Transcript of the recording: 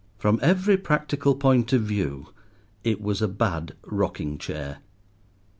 From every practical point of view it was a bad rocking chair.